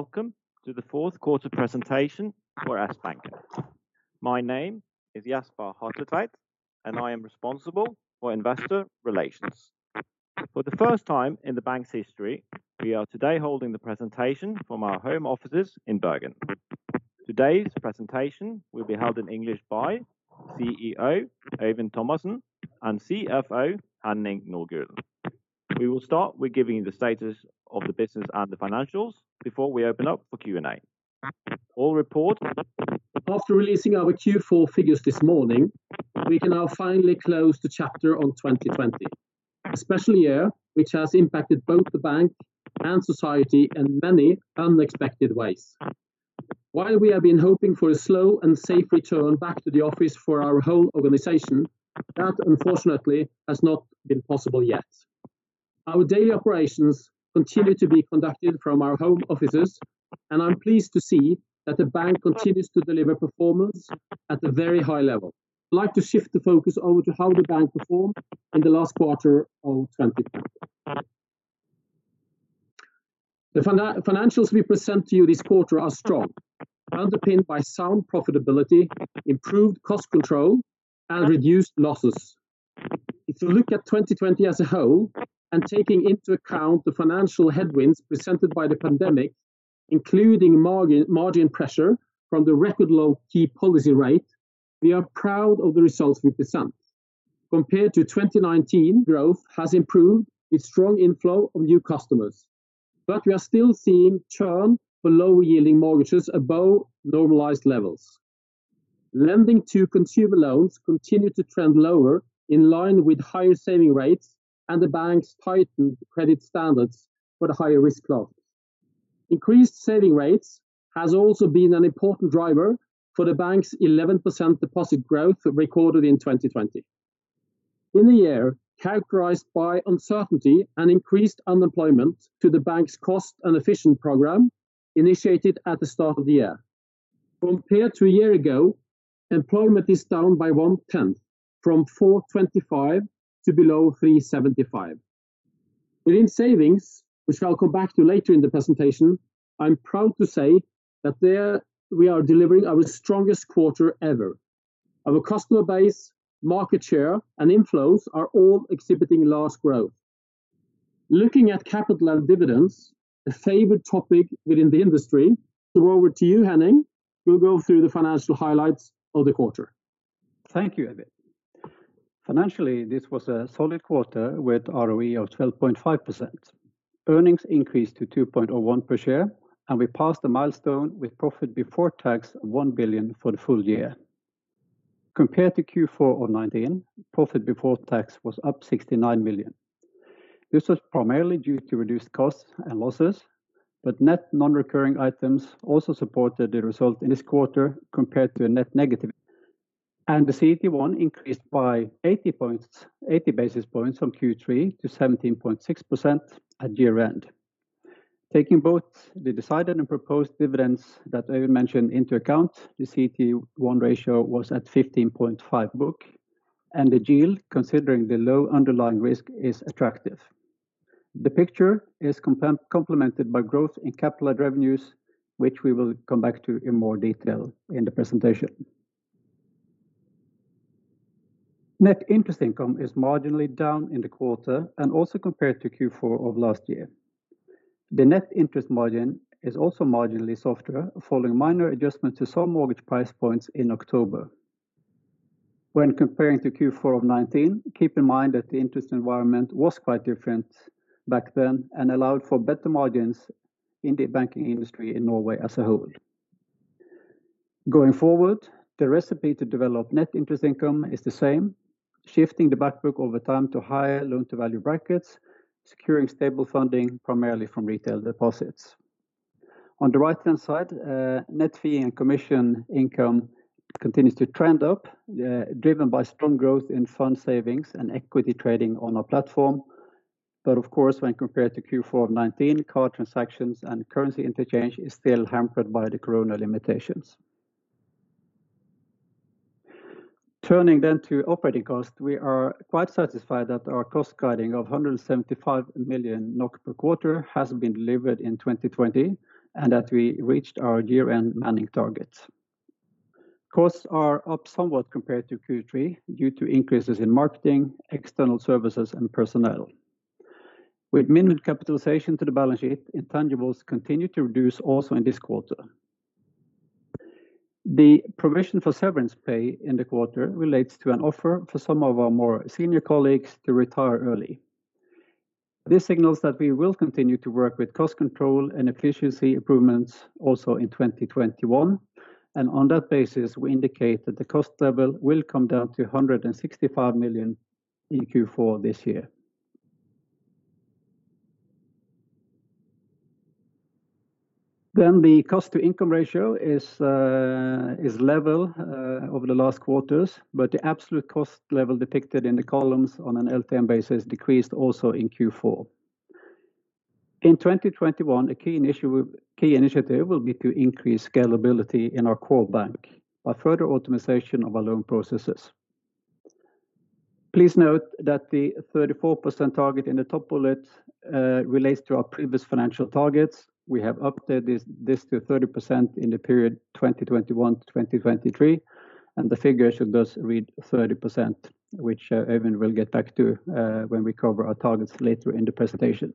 Welcome to the fourth quarter presentation for Sbanken. My name is Jesper Hatletveit, and I am responsible for investor relations. For the first time in the bank's history, we are today holding the presentation from our home offices in Bergen. Today's presentation will be held in English by CEO, Øyvind Thomassen, and CFO, Henning Nordgulen. We will start with giving the status of the business and the financials before we open up for Q&A. All report. After releasing our Q4 figures this morning, we can now finally close the chapter on 2020, a special year, which has impacted both Sbanken and society in many unexpected ways. While we have been hoping for a slow and safe return back to the office for our whole organization, that unfortunately has not been possible yet. Our daily operations continue to be conducted from our home offices, and I'm pleased to see that Sbanken continues to deliver performance at a very high level. I'd like to shift the focus over to how Sbanken performed in the last quarter of 2020. The financials we present to you this quarter are strong, underpinned by sound profitability, improved cost control, and reduced losses. If you look at 2020 as a whole and taking into account the financial headwinds presented by the pandemic, including margin pressure from the record low key policy rate, we are proud of the results we present. Compared to 2019, growth has improved with strong inflow of new customers, we are still seeing churn for low yielding mortgages above normalized levels. Lending to consumer loans continued to trend lower in line with higher saving rates and the bank's tightened credit standards for the higher risk loans. Increased saving rates has also been an important driver for the bank's 11% deposit growth recorded in 2020. In a year characterized by uncertainty and increased unemployment to the bank's cost and efficient program initiated at the start of the year. Compared to a year ago, employment is down by one tenth, from 425 to below 375. Within savings, which I'll come back to later in the presentation, I'm proud to say that there we are delivering our strongest quarter ever. Our customer base, market share, and inflows are all exhibiting large growth. Looking at capital and dividends, a favored topic within the industry, I throw over to you, Henning, who'll go through the financial highlights of the quarter. Thank you, Øyvind. Financially, this was a solid quarter with ROE of 12.5%. Earnings increased to 2.01 per share, and we passed the milestone with profit before tax of 1 billion for the full year. Compared to Q4 of 2019, profit before tax was up 69 million. This was primarily due to reduced costs and losses, but net non-recurring items also supported the result in this quarter compared to a net negative. The CET1 increased by 80 basis points from Q3 to 17.6% at year-end. Taking both the decided and proposed dividends that I will mention into account, the CET1 ratio was at 15.5 percent, and the yield, considering the low underlying risk, is attractive. The picture is complemented by growth in capital revenues, which we will come back to in more detail in the presentation. Net interest income is marginally down in the quarter and also compared to Q4 of last year. The net interest margin is also marginally softer following minor adjustments to some mortgage price points in October. When comparing to Q4 of 2019, keep in mind that the interest environment was quite different back then and allowed for better margins in the banking industry in Norway as a whole. Going forward, the recipe to develop net interest income is the same, shifting the back book over time to higher loan-to-value brackets, securing stable funding, primarily from retail deposits. On the right-hand side, net fee and commission income continues to trend up, driven by strong growth in fund savings and equity trading on our platform. Of course, when compared to Q4 2019, card transactions and currency interchange is still hampered by the corona limitations. Turning to operating cost, we are quite satisfied that our cost guiding of 175 million NOK per quarter has been delivered in 2020 and that we reached our year-end manning target. Costs are up somewhat compared to Q3 due to increases in marketing, external services, and personnel. With minimum capitalization to the balance sheet, intangibles continue to reduce also in this quarter. The provision for severance pay in the quarter relates to an offer for some of our more senior colleagues to retire early. This signals that we will continue to work with cost control and efficiency improvements also in 2021. On that basis, we indicate that the cost level will come down to 165 million in Q4 this year. The cost-to-income ratio is level over the last quarters, but the absolute cost level depicted in the columns on an LTM basis decreased also in Q4. In 2021, a key initiative will be to increase scalability in our core bank by further optimization of our loan processes. Please note that the 34% target in the top bullet relates to our previous financial targets. We have updated this to 30% in the period 2021-2023, and the figure should thus read 30%, which Øyvind will get back to when we cover our targets later in the presentation.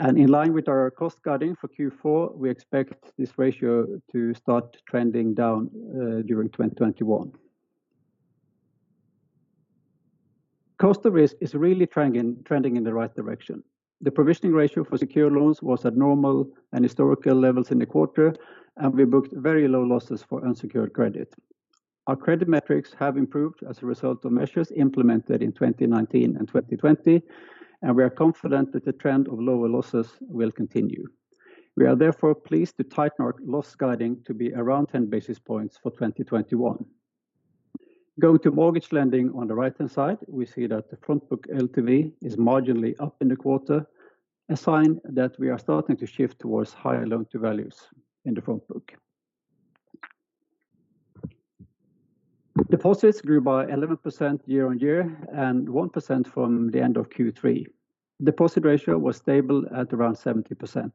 In line with our cost guiding for Q4, we expect this ratio to start trending down during 2021. Cost to risk is really trending in the right direction. The provisioning ratio for secure loans was at normal and historical levels in the quarter, and we booked very low losses for unsecured credit. Our credit metrics have improved as a result of measures implemented in 2019 and 2020, and we are confident that the trend of lower losses will continue. We are therefore pleased to tighten our loss guiding to be around 10 basis points for 2021. Going to mortgage lending on the right-hand side, we see that the front book LTV is marginally up in the quarter, a sign that we are starting to shift towards higher loan-to-values in the front book. Deposits grew by 11% year-over-year, and 1% from the end of Q3. Deposit ratio was stable at around 70%.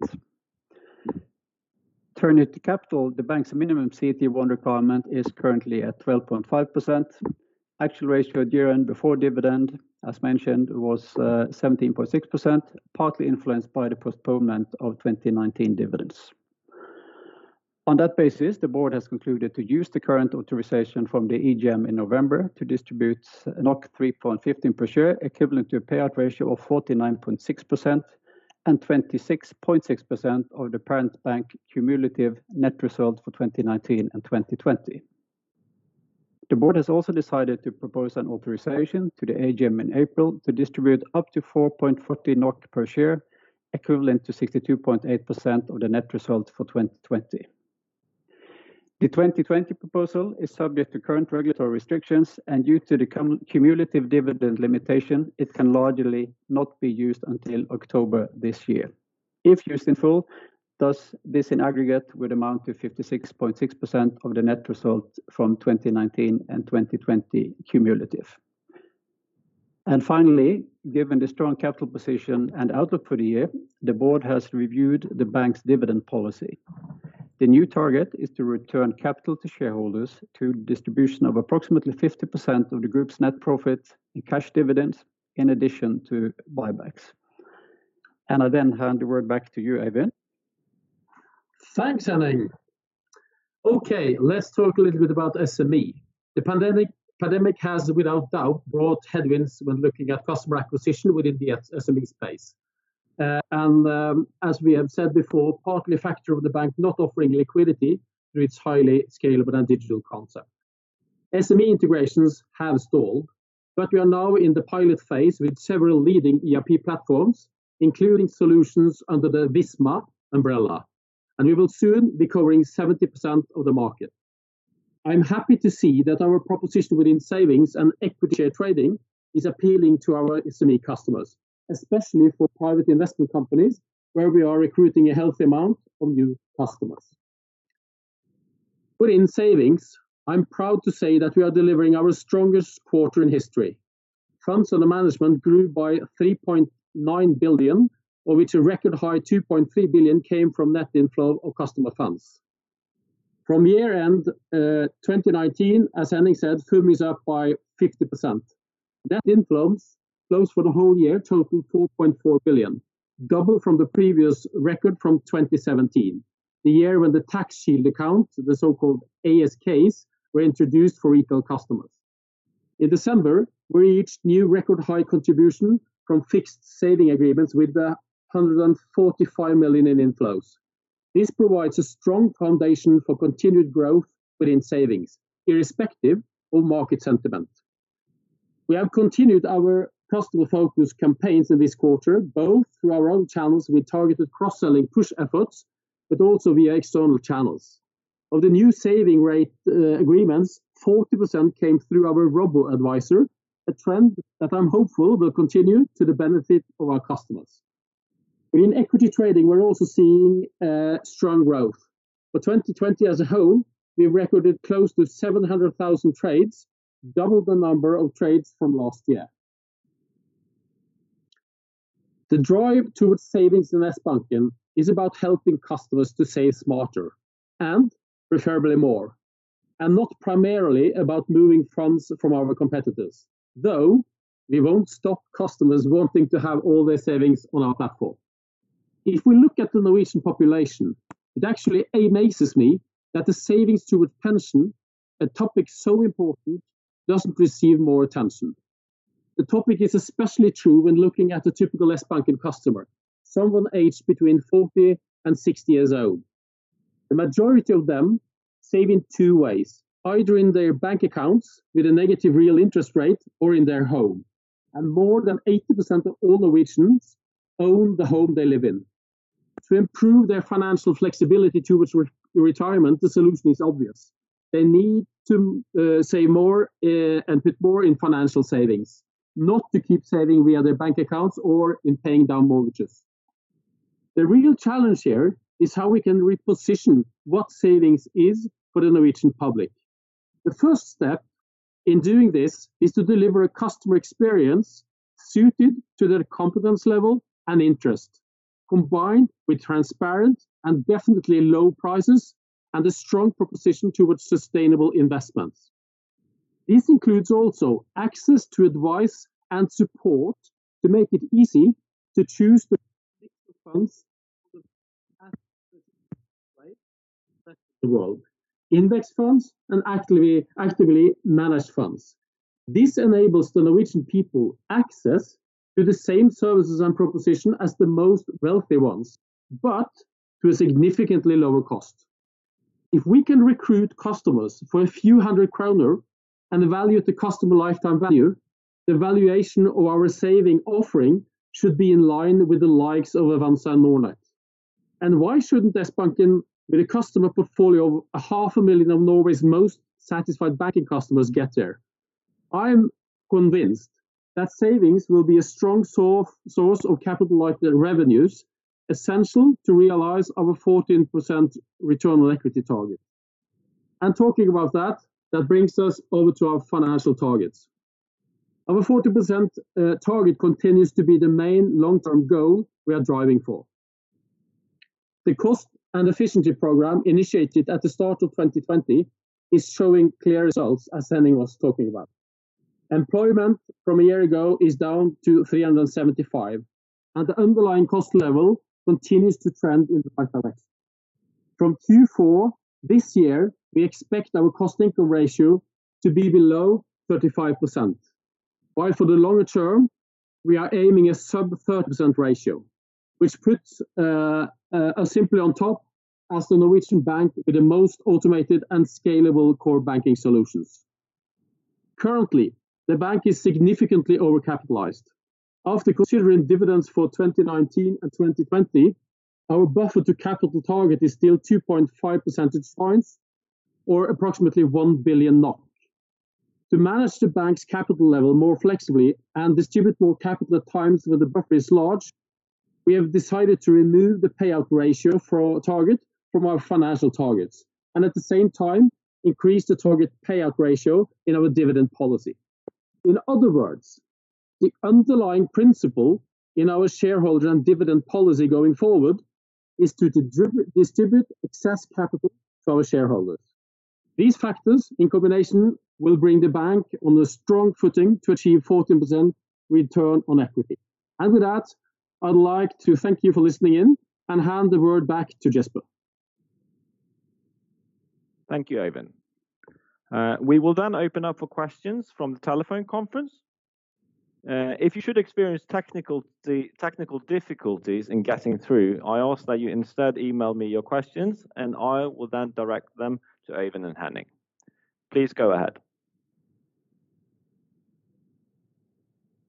Turning to capital, the bank's minimum CET1 requirement is currently at 12.5%. Actual ratio at year-end before dividend, as mentioned, was 17.6%, partly influenced by the postponement of 2019 dividends. On that basis, the board has concluded to use the current authorization from the AGM in November to distribute 3.15 per share, equivalent to a payout ratio of 49.6% and 26.6% of the parent bank cumulative net result for 2019 and 2020. The board has also decided to propose an authorization to the AGM in April to distribute up to 4.40 NOK per share, equivalent to 62.8% of the net result for 2020. The 2020 proposal is subject to current regulatory restrictions, due to the cumulative dividend limitation, it can largely not be used until October this year. If used in full, thus this in aggregate would amount to 56.6% of the net result from 2019 and 2020 cumulative. Finally, given the strong capital position and outlook for the year, the board has reviewed the bank's dividend policy. The new target is to return capital to shareholders through distribution of approximately 50% of the group's net profit in cash dividends in addition to buybacks. I then hand the word back to you, Øyvind. Thanks, Henning. Okay, let's talk a little bit about SME. The pandemic has, without doubt, brought headwinds when looking at customer acquisition within the SME space. As we have said before, partly a factor of the bank not offering liquidity through its highly scalable and digital concept. SME integrations have stalled. We are now in the pilot phase with several leading ERP platforms, including solutions under the Visma umbrella. We will soon be covering 70% of the market. I'm happy to see that our proposition within savings and equity trading is appealing to our SME customers, especially for private investment companies, where we are recruiting a healthy amount of new customers. In savings, I'm proud to say that we are delivering our strongest quarter in history. Funds under management grew by 3.9 billion, of which a record high 2.3 billion came from net inflow of customer funds. From year-end 2019, as Henning said, FUM is up by 50%. Net inflows for the whole year total 4.4 billion, double from the previous record from 2017, the year when the tax shield account, the so-called ASKs, were introduced for retail customers. In December, we reached new record high contribution from fixed saving agreements with 145 million in inflows. This provides a strong foundation for continued growth within savings, irrespective of market sentiment. We have continued our customer focus campaigns in this quarter, both through our own channels with targeted cross-selling push efforts, but also via external channels. Of the new saving rate agreements, 40% came through our robo-advisor, a trend that I'm hopeful will continue to the benefit of our customers. In equity trading, we're also seeing strong growth. For 2020 as a whole, we recorded close to 700,000 trades, double the number of trades from last year. The drive towards savings in Sbanken is about helping customers to save smarter, and preferably more, and not primarily about moving funds from our competitors, though we won't stop customers wanting to have all their savings on our platform. If we look at the Norwegian population, it actually amazes me that the savings towards pension, a topic so important, doesn't receive more attention. The topic is especially true when looking at a typical Sbanken customer, someone aged between 40 and 60 years old. The majority of them save in two ways, either in their bank accounts with a negative real interest rate or in their home. More than 80% of all Norwegians own the home they live in. To improve their financial flexibility towards retirement, the solution is obvious. They need to save more and put more in financial savings, not to keep saving via their bank accounts or in paying down mortgages. The real challenge here is how we can reposition what savings is for the Norwegian public. The first step in doing this is to deliver a customer experience suited to their competence level and interest, combined with transparent and definitely low prices, and a strong proposition towards sustainable investments. This includes also access to advice and support to make it easy to choose the mix of funds index funds and actively managed funds. This enables the Norwegian people access to the same services and proposition as the most wealthy ones, but to a significantly lower cost. If we can recruit customers for a few hundred NOK and evaluate the customer lifetime value, the valuation of our saving offering should be in line with the likes of. Why shouldn't Sbanken, with a customer portfolio of a half a million of Norway's most satisfied banking customers, get there? I'm convinced that savings will be a strong source of capitalized revenues, essential to realize our 14% return on equity target. Talking about that brings us over to our financial targets. Our 40% target continues to be the main long-term goal we are driving for. The cost and efficiency program initiated at the start of 2020 is showing clear results, as Henning was talking about. Employment from a year ago is down to 375, and the underlying cost level continues to trend in the right direction. From Q4 this year, we expect our cost-to-income ratio to be below 35%, while for the longer term, we are aiming a sub 30% ratio, which puts us simply on top as the Norwegian bank with the most automated and scalable core banking solutions. Currently, the bank is significantly over-capitalized. After considering dividends for 2019 and 2020, our buffer to capital target is still 2.5 percentage points or approximately 1 billion NOK. To manage the bank's capital level more flexibly and distribute more capital at times where the buffer is large, we have decided to remove the payout ratio for our target from our financial targets. At the same time, increase the target payout ratio in our dividend policy. In other words, the underlying principle in our shareholder and dividend policy going forward is to distribute excess capital to our shareholders. These factors in combination will bring the bank on a strong footing to achieve 14% return on equity. With that, I'd like to thank you for listening in and hand the word back to Jesper. Thank you, Øyvind. We will open up for questions from the telephone conference. If you should experience technical difficulties in getting through, I ask that you instead email me your questions. I will then direct them to Øyvind and Henning. Please go ahead.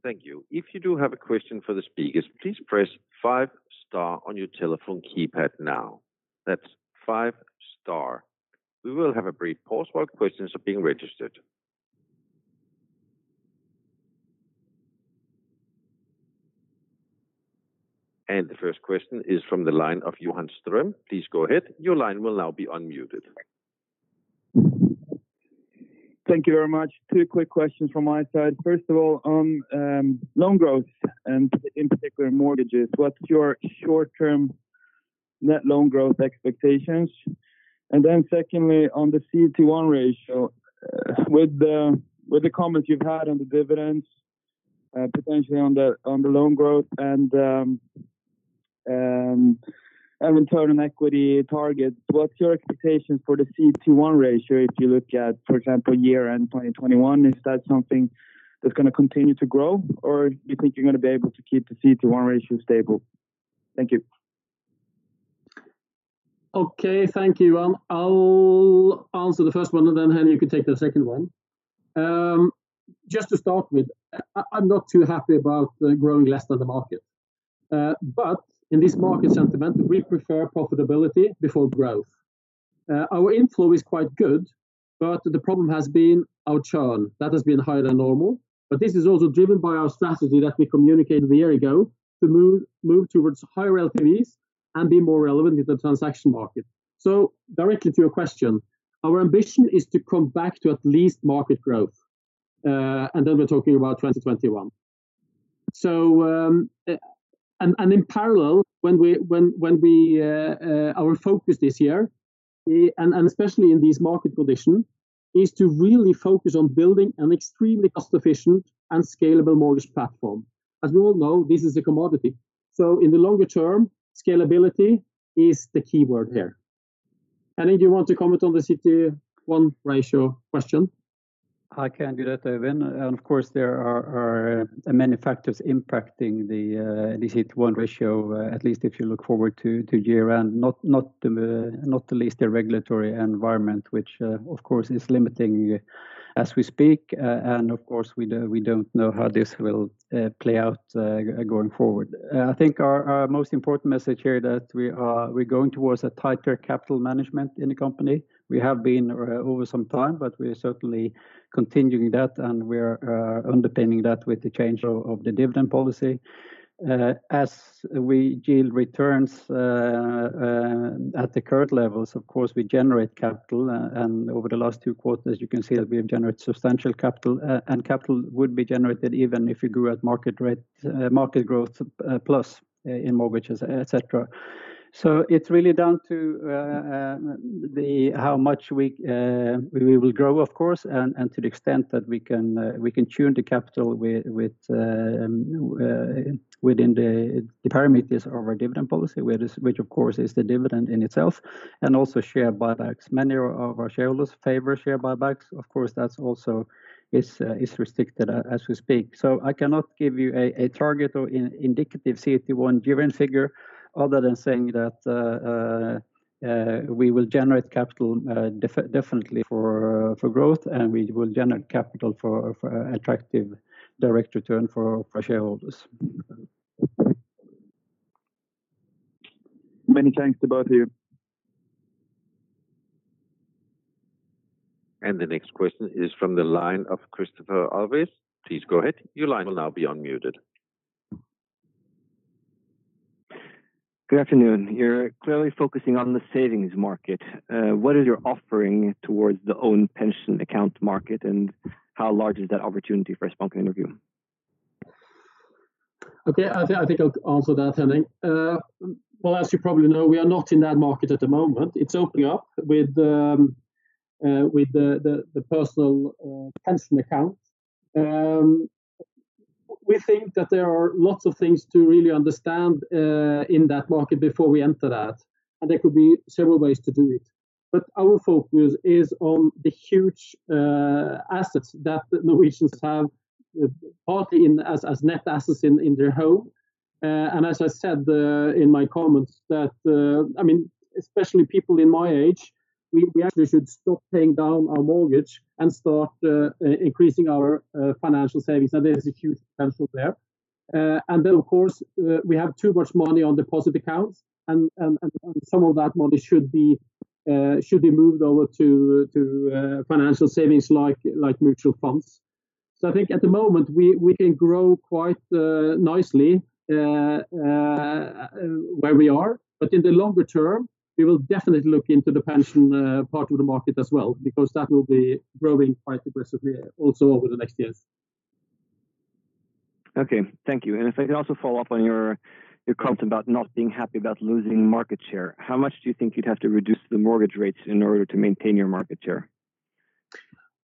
Thank you. If you do have a question for the speakers, please press five star on your telephone keypad now. That's five star. We will have a brief pause while questions are being registered. The first question is from the line of Johan Ström. Please go ahead. Your line will now be unmuted. Thank you very much. Two quick questions from my side. First of all, on loan growth, and in particular mortgages, what's your short-term net loan growth expectations? Secondly, on the CET1 ratio, with the comments you've had on the dividends, potentially on the loan growth and return on equity target, what's your expectation for the CET1 ratio if you look at, for example, year-end 2021? Is that something that's going to continue to grow, or you think you're going to be able to keep the CET1 ratio stable? Thank you. Okay, thank you, Johan. I'll answer the first one, and then Henning, you can take the second one. Just to start with, I'm not too happy about growing less than the market. In this market sentiment, we prefer profitability before growth. Our inflow is quite good, but the problem has been our churn. That has been higher than normal, but this is also driven by our strategy that we communicated a year ago to move towards higher LTVs and be more relevant in the transaction market. Directly to your question, our ambition is to come back to at least market growth, and then we're talking about 2021. In parallel, our focus this year, and especially in this market condition, is to really focus on building an extremely cost-efficient and scalable mortgage platform. As we all know, this is a commodity. In the longer term, scalability is the keyword here. Henning, do you want to comment on the CET1 ratio question? I can do that, Øyvind. Of course, there are many factors impacting the CET1 ratio, at least if you look forward to year-end, not the least the regulatory environment, which of course is limiting as we speak. Of course, we don't know how this will play out going forward. I think our most important message here that we are going towards a tighter capital management in the company. We have been over some time, but we are certainly continuing that, and we are underpinning that with the change of the dividend policy. As we yield returns at the current levels, of course, we generate capital, and over the last two quarters, you can see that we have generated substantial capital. Capital would be generated even if we grew at market growth plus in mortgages, etc. It's really down to how much we will grow, of course, and to the extent that we can tune the capital within the parameters of our dividend policy, which of course is the dividend in itself, and also share buybacks. Many of our shareholders favor share buybacks. That also is restricted as we speak. I cannot give you a target or indicative CET1 year-end figure other than saying that we will generate capital definitely for growth, and we will generate capital for attractive direct return for shareholders. Many thanks to both of you. The next question is from the line of Christopher Alves. Please go ahead. Good afternoon. You're clearly focusing on the savings market. What is your offering towards the own pension account market, and how large is that opportunity for Sbanken in review? Okay. I think I'll answer that, Henning. Well, as you probably know, we are not in that market at the moment. It's opening up with the personal pension account. We think that there are lots of things to really understand in that market before we enter that, and there could be several ways to do it. Our focus is on the huge assets that Norwegians have, partly as net assets in their home. As I said in my comments that, especially people in my age, we actually should stop paying down our mortgage and start increasing our financial savings, and there is a huge potential there. Of course, we have too much money on deposit accounts, and some of that money should be moved over to financial savings like mutual funds. I think at the moment, we can grow quite nicely where we are. In the longer term, we will definitely look into the pension part of the market as well, because that will be growing quite aggressively also over the next years. Okay. Thank you. If I could also follow up on your comment about not being happy about losing market share. How much do you think you'd have to reduce the mortgage rates in order to maintain your market share?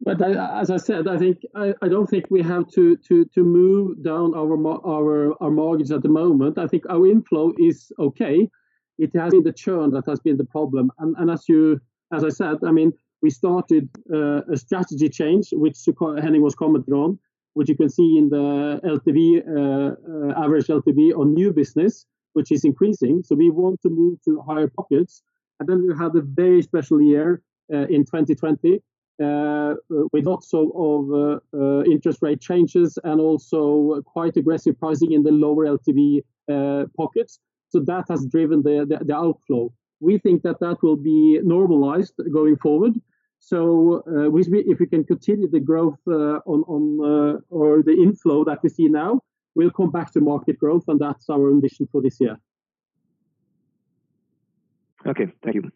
As I said, I don't think we have to move down our mortgage at the moment. I think our inflow is okay. It has been the churn that has been the problem. As I said, we started a strategy change, which Henning was commenting on, which you can see in the average LTV on new business, which is increasing. We want to move to higher pockets. Then we had a very special year in 2020 with lots of interest rate changes and also quite aggressive pricing in the lower LTV pockets. That has driven the outflow. We think that that will be normalized going forward. If we can continue the growth or the inflow that we see now, we'll come back to market growth, and that's our ambition for this year. Okay. Thank you.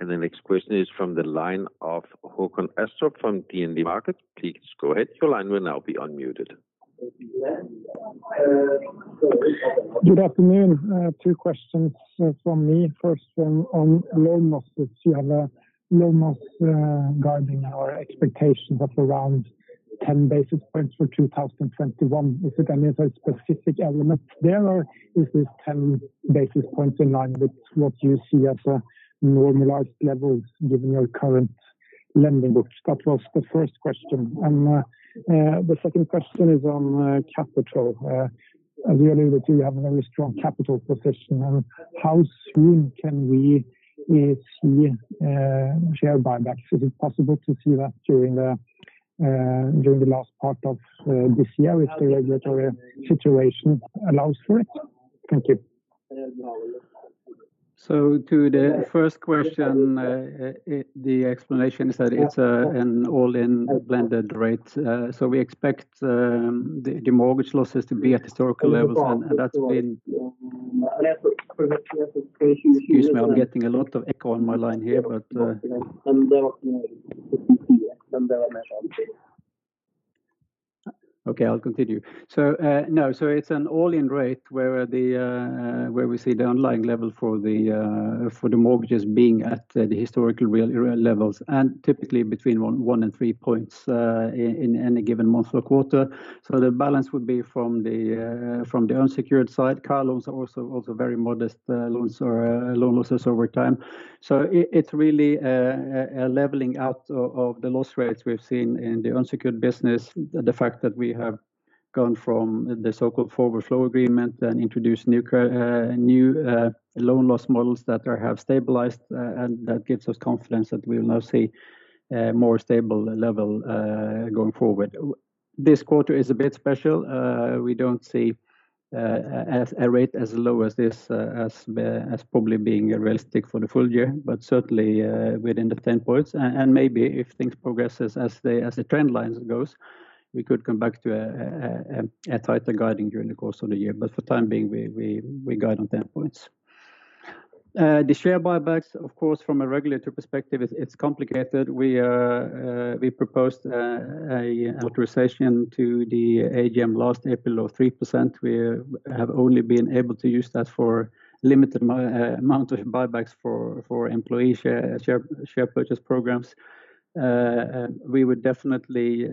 The next question is from the line of Håkon Østorp from DNB Markets. Please go ahead. Good afternoon. Two questions from me. First one on loan losses. You have a loan loss guiding our expectations of around 10 basis points for 2021. Is it any specific elements there, or is this 10 basis points in line with what you see as a normalized level given your current lending books? That was the first question. The second question is on capital. Clearly, you have a very strong capital position. How soon can we see share buybacks? Is it possible to see that during the last part of this year if the regulatory situation allows for it? Thank you. To the first question, the explanation is that it's an all-in blended rate. We expect the mortgage losses to be at historical levels. Excuse me, I'm getting a lot of echo on my line here, but okay, I'll continue. It's an all-in rate where we see the underlying level for the mortgages being at the historical real levels, and typically between one and three points in any given month or quarter. The balance would be from the unsecured side. Car loans are also very modest loan losses over time. It's really a leveling out of the loss rates we've seen in the unsecured business. The fact that we have gone from the so-called forward flow agreement and introduced new loan loss models that have stabilized. That gives us confidence that we will now see a more stable level going forward. This quarter is a bit special. We don't see a rate as low as this as probably being realistic for the full year, but certainly within the 10 points. Maybe if things progress as the trend lines goes, we could come back to a tighter guiding during the course of the year. For the time being, we guide on 10 points. The share buybacks, of course, from a regulatory perspective, it's complicated. We proposed an authorization to the AGM last April of 3%. We have only been able to use that for limited amount of buybacks for employee share purchase programs. We would definitely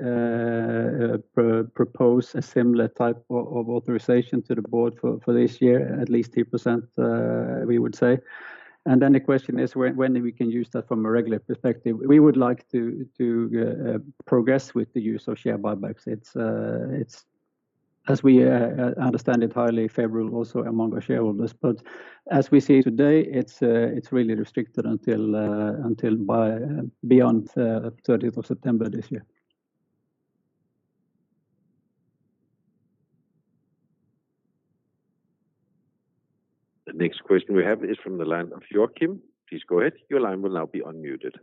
propose a similar type of authorization to the board for this year, at least 3%, we would say. Then the question is when we can use that from a regular perspective. We would like to progress with the use of share buybacks. It's, as we understand it, highly favorable also among our shareholders. As we see today, it's really restricted until beyond 30th of September this year. The next question we have is from the line of Joakim. Please go ahead. Your line will now be unmuted.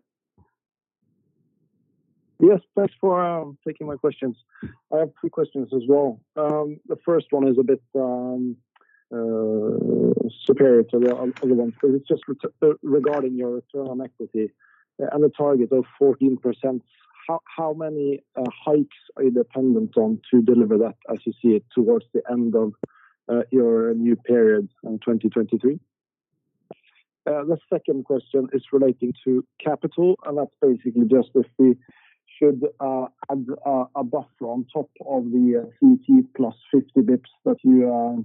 Yes, thanks for taking my questions. I have three questions as well. It's just regarding your return on equity and the target of 14%. How many hikes are you dependent on to deliver that as you see it towards the end of your new period in 2023? That's basically just if we should add a buffer on top of the CET1 plus 50 basis points that you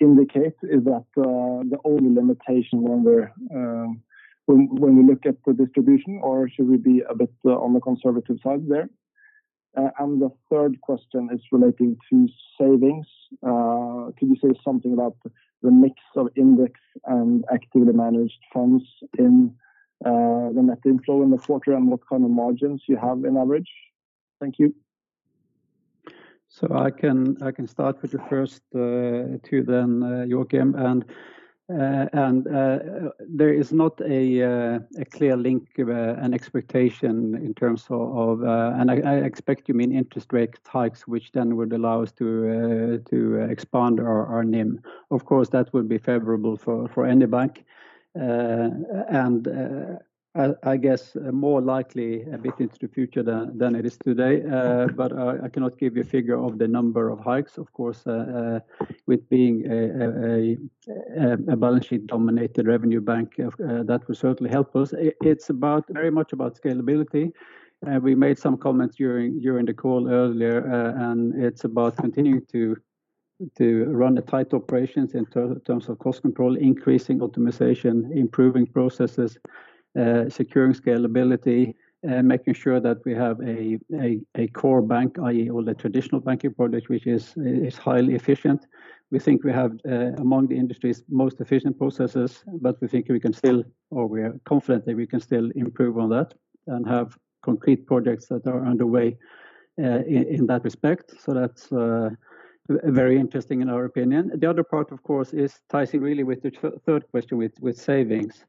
indicate. Is that the only limitation when we look at the distribution, or should we be a bit on the conservative side there? The third question is relating to savings. Could you say something about the mix of index and actively managed funds in the net inflow in the quarter and what kind of margins you have in average? Thank you. I can start with the first two then, Joakim. There is not a clear link, an expectation in terms of, I expect you mean interest rate hikes, which then would allow us to expand our NIM. Of course, that would be favorable for any bank, and I guess more likely a bit into the future than it is today. I cannot give you a figure of the number of hikes. Of course, with being a balance sheet dominated revenue bank, that will certainly help us. It's very much about scalability. We made some comments during the call earlier, it's about continuing to run tight operations in terms of cost control, increasing optimization, improving processes, securing scalability, making sure that we have a core bank, i.e. all the traditional banking products, which is highly efficient. We think we have among the industry's most efficient processes, but we think we can still, or we are confident that we can still improve on that and have concrete projects that are underway in that respect. That's very interesting in our opinion. The other part, of course, ties in really with the third question with savings,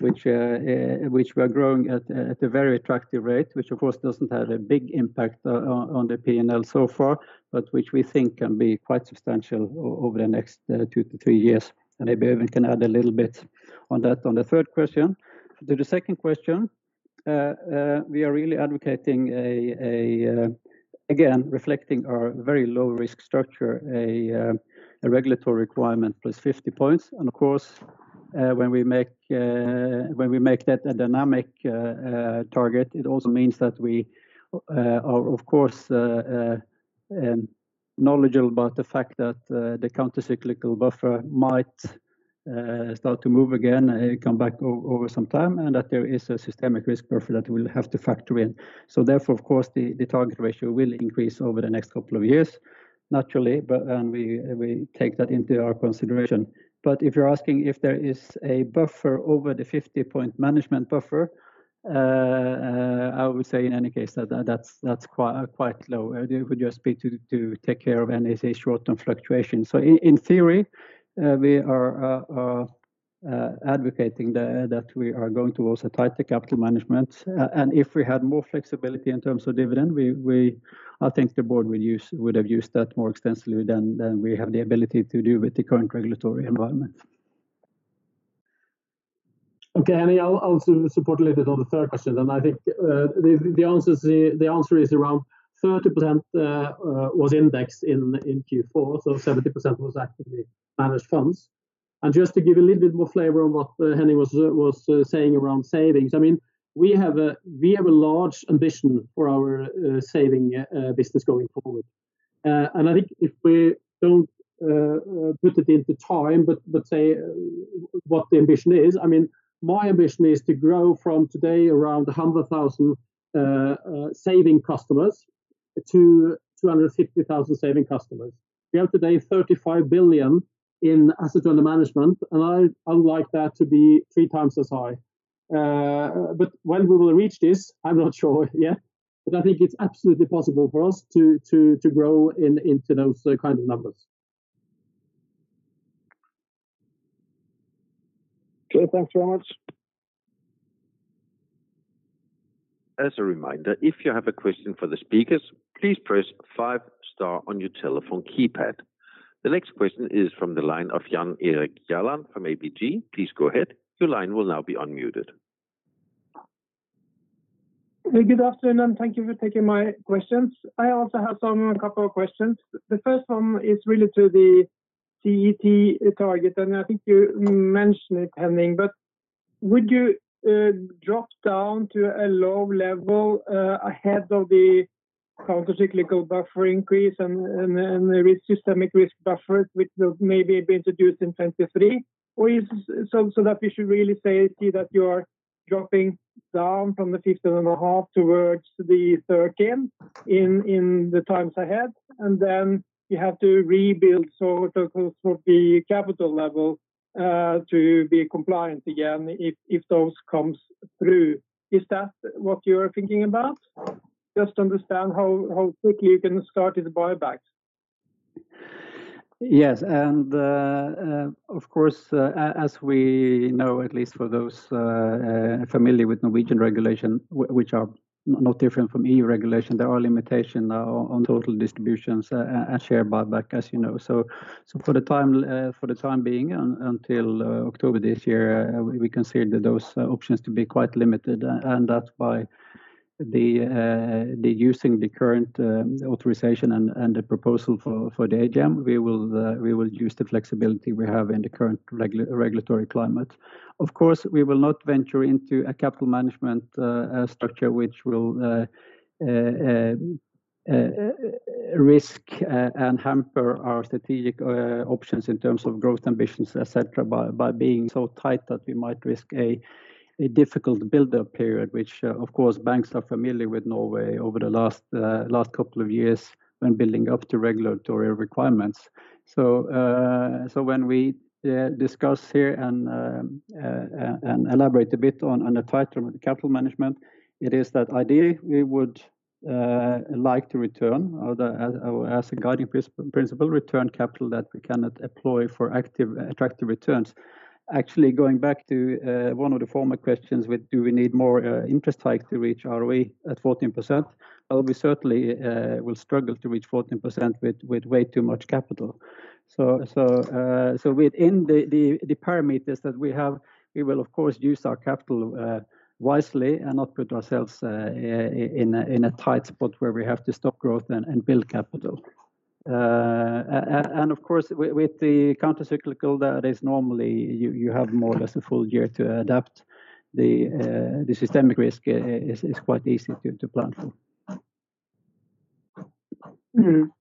which we are growing at a very attractive rate, which of course doesn't have a big impact on the P&L so far, but which we think can be quite substantial over the next 2-3 years. Maybe I can add a little bit on that on the third question. To the second question, we are really advocating, again, reflecting our very low-risk structure, a regulatory requirement plus 50 points. Of course, when we make that a dynamic target, it also means that we are, of course, knowledgeable about the fact that the countercyclical buffer might start to move again and come back over some time, and that there is a systemic risk buffer that we'll have to factor in. Therefore, of course, the target ratio will increase over the next couple of years, naturally, and we take that into our consideration. If you're asking if there is a buffer over the 50-point management buffer, I would say in any case that's quite low. It would just be to take care of any short-term fluctuation. In theory, we are advocating that we are going towards a tighter capital management. If we had more flexibility in terms of dividend, I think the board would have used that more extensively than we have the ability to do with the current regulatory environment. Okay, Henning, I'll support a little bit on the third question then. I think the answer is around 30% was indexed in Q4, so 70% was actively managed funds. Just to give a little bit more flavor on what Henning was saying around savings, we have a large ambition for our savings business going forward. I think if we don't put it into time, but say what the ambition is, my ambition is to grow from today around 100,000 saving customers to 250,000 saving customers. We have today 35 billion in assets under management, and I would like that to be three times as high. When we will reach this, I'm not sure yet, but I think it's absolutely possible for us to grow into those kind of numbers. Okay, thanks very much. As a reminder, if you have a question for the speakers, please press five star on your telephone keypad. The next question is from the line of Jan Erik Gjerland from ABG. Please go ahead. Your line will now be unmuted. Good afternoon, and thank you for taking my questions. I also have a couple of questions. The first one is really to the CET target, and I think you mentioned it, Henning, but would you drop down to a low level ahead of the countercyclical buffer increase and the systemic risk buffer, which will maybe be introduced in 2023? So that we should really say that you are dropping down from the 15.5 towards the 13 in the times ahead, and then you have to rebuild the capital level to be compliant again if those come through. Is that what you are thinking about? I just want to understand how quickly you can start the buybacks. Yes, of course, as we know, at least for those familiar with Norwegian regulation, which are not different from E.U. regulation, there are limitations on total distributions and share buyback, as you know. For the time being, until October this year, we consider those options to be quite limited, and that by using the current authorization and the proposal for the AGM, we will use the flexibility we have in the current regulatory climate. Of course, we will not venture into a capital management structure which will risk and hamper our strategic options in terms of growth ambitions, etc, by being so tight that we might risk a difficult buildup period, which of course, banks are familiar with in Norway over the last couple of years when building up to regulatory requirements. When we discuss here and elaborate a bit on the title of capital management, it is that ideally, we would like to return, as a guiding principle, return capital that we cannot employ for active attractive returns. Actually, going back to one of the former questions with do we need more interest hike to reach ROE at 14%, we certainly will struggle to reach 14% with way too much capital. Within the parameters that we have, we will of course use our capital wisely and not put ourselves in a tight spot where we have to stop growth and build capital. Of course, with the countercyclical that is normally you have more or less a full year to adapt, the systemic risk is quite easy to plan for.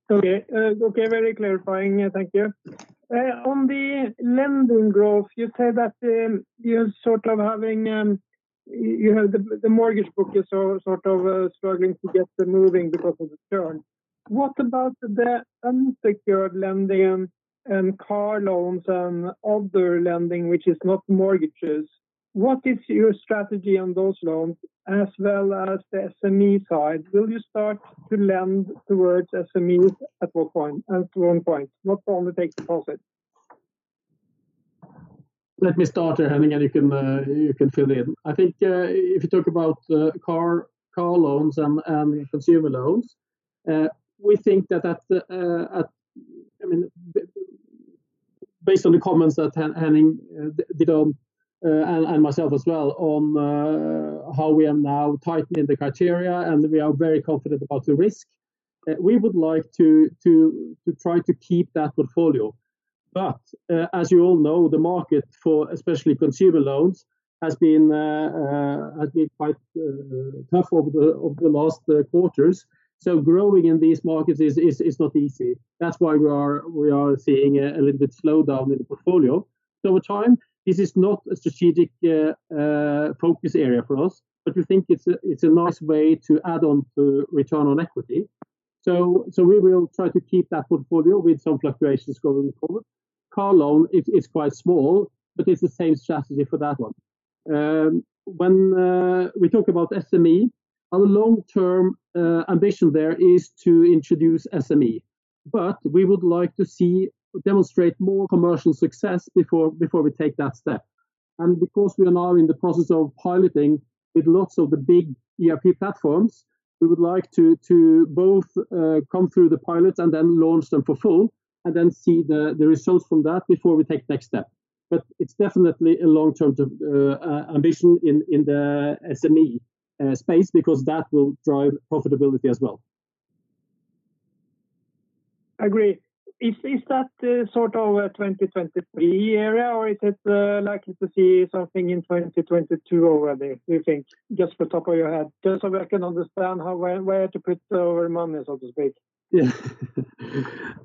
Okay. Very clarifying. Thank you. On the lending growth, you said that you're having the mortgage book is sort of struggling to get moving because of the turn. What about the unsecured lending and car loans and other lending, which is not mortgages? What is your strategy on those loans as well as the SME side? Will you start to lend towards SMEs at one point, not only take deposits? Let me start here, Henning, and you can fill in. I think if you talk about car loans and consumer loans, we think that based on the comments that Henning did and myself as well on how we are now tightening the criteria, and we are very confident about the risk, we would like to try to keep that portfolio. As you all know, the market for especially consumer loans has been quite tough over the last quarters. Growing in these markets is not easy. That's why we are seeing a little bit slowdown in the portfolio. Over time, this is not a strategic focus area for us, but we think it's a nice way to add on to return on equity. We will try to keep that portfolio with some fluctuations going forward. Car loan, it's quite small, but it's the same strategy for that one. When we talk about SME, our long term ambition there is to introduce SME, but we would like to demonstrate more commercial success before we take that step. Because we are now in the process of piloting with lots of the big ERP platforms, we would like to both come through the pilots and then launch them for full and then see the results from that before we take the next step. It's definitely a long-term ambition in the SME space because that will drive profitability as well. Agree. Is that sort of 2023 area, or is it likely to see something in 2022 already, do you think? Just off the top of your head, just so I can understand where to put our money, so to speak.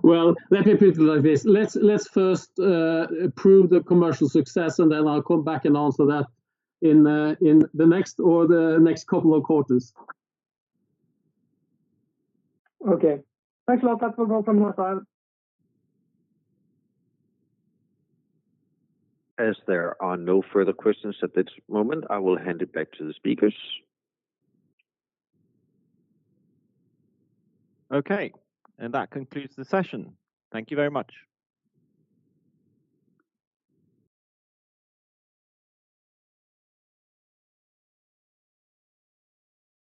Well, let me put it like this. Let's first prove the commercial success, and then I'll come back and answer that in the next or the next couple of quarters. Okay. Thanks a lot. That will be all from my side. As there are no further questions at this moment, I will hand it back to the speakers. Okay, that concludes the session. Thank you very much.